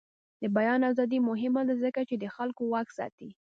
د بیان ازادي مهمه ده ځکه چې د خلکو واک ساتي.